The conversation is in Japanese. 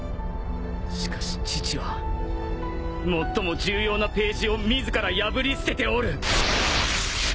しかし父は最も重要なページを自ら破り捨てておる！